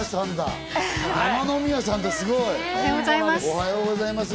おはようございます。